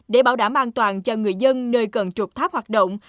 để bảo đảm an toàn cho người dân nơi cân trục tháp hoạt động